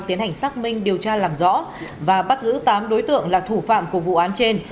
tiến hành xác minh điều tra làm rõ và bắt giữ tám đối tượng là thủ phạm của vụ án trên